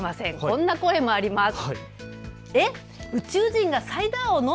こんな声もあります。